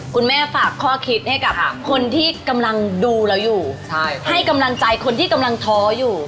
ฝากข้อคิดให้กับคนที่กำลังดูเราอยู่ให้กำลังใจคนที่กำลังท้ออยู่